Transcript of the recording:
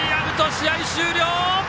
試合終了！